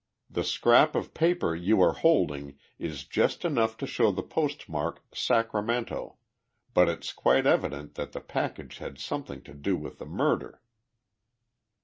The scrap of paper you are holding is just enough to show the postmark 'Sacramento' but it's quite evident that the package had something to do with the murder."